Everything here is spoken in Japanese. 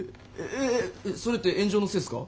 それって炎上のせいすか？